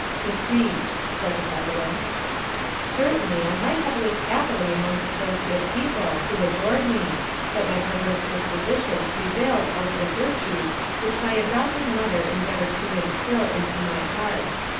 "Proceed," said the president. "Certainly, I might have lived happily amongst those good people, who adored me, but my perverse disposition prevailed over the virtues which my adopted mother endeavored to instil into my heart.